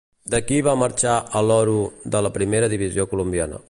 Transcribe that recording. D'aquí va marxar a l'Oro de la primera divisió colombiana.